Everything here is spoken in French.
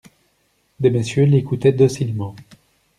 Des messieurs l'écoutaient docilement.